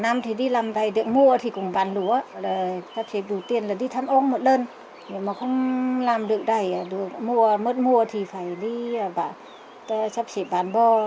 mất mùa thì phải đi sắp xếp bán bò